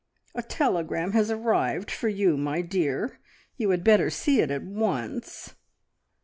A telegram has arrived for you, my dear. You had better see it at once."